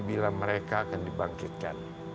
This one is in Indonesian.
bila mereka akan dibangkitkan